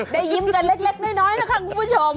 ยิ้มกันเล็กน้อยนะคะคุณผู้ชม